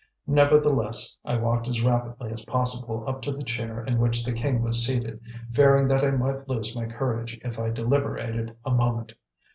Nevertheless, I walked as rapidly as possible up to the chair in which the king was seated, fearing that I might lose my courage if I deliberated a moment.